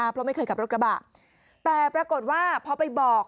เพราะไม่เคยขับรถกระบะแต่ปรากฏว่าพอไปบอก